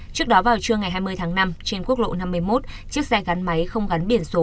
trước đó vào trưa ngày hai mươi tháng năm trên quốc lộ năm mươi một chiếc xe gắn máy không gắn biển số